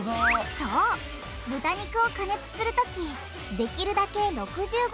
そう豚肉を加熱するときできるだけへぇ６５